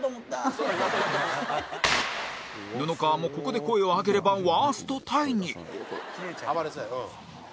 布川もここで声を上げればワーストタイに